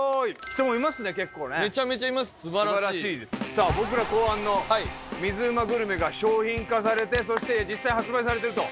さあ僕ら考案の水うまグルメが商品化されてそして実際に発売されてると。